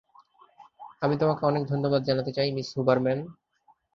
আমি তোমাকে অনেক ধন্যবাদ জানাতে চাই, মিস হুবারম্যান।